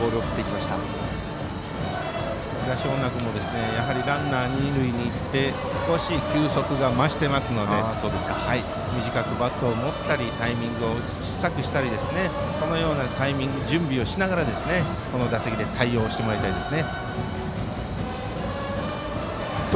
東恩納君もランナー、二塁にいって少し球速が増してますので短くバットを持ったりタイミングを小さくしたりそのような準備をしながらこの打席で対応してもらいたいです。